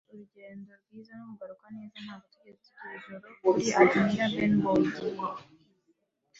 urugendo rwiza no kugaruka neza. Ntabwo twigeze tugira ijoro kuri Admiral Benbow igihe I.